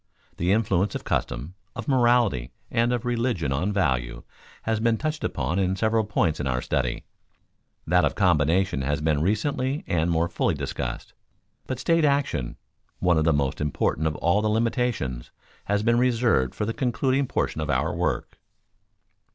The influence of custom, of morality, and of religion on value, has been touched upon at several points in our study; that of combination has been recently and more fully discussed. But state action, one of the most important of all the limitations, has been reserved for the concluding portion of our work.